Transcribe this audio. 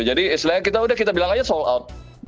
jadi istilahnya kita udah kita bilang aja sold out